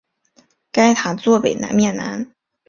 该塔座北面南。